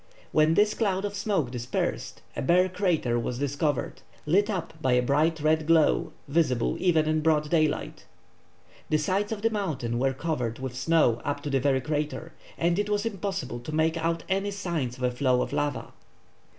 When this cloud of smoke dispersed, a bare crater was discovered, lit up by a bright red glow, visible even in broad daylight. The sides of the mountain were covered with snow up to the very crater, and it was impossible to make out any signs of a flow of lava.